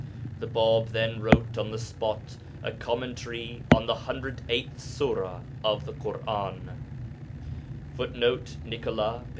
The Bāb then wrote on the spot a commentary on the 108th Sura of the Ḳur'an. [Footnote: Nicolas, p.